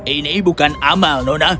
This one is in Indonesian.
ini bukan amal nona